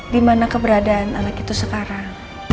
di mana keberadaan anak itu sekarang